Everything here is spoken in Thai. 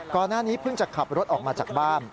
ก่อนหน้านี้เพิ่งจะขับรถออกมาจากบ้าน